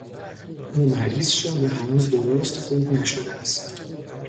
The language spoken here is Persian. او مریض شد و هنوز درست خوب نشده است.